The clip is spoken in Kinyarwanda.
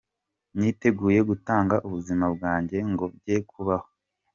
Niteguye gutanga ubuzima bwanjye ngo bye kubaho.